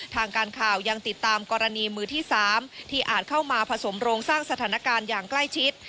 ทางการข่าวยังติดตามกรณีมือที่๓ที่อาจเข้ามาผสมโรงสร้างสถานการณ์อย่างใกล้ชิด